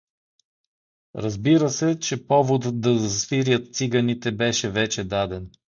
Разбира се, че поводът да засвирят циганите беше вече даден.